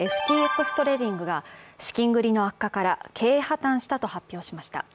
ＦＴＸトレーディングが資金繰りの悪化から経営破綻したと発表しました。